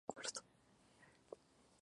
De los once, dos murieron en el viaje.